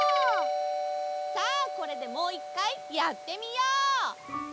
さあこれでもういっかいやってみよう！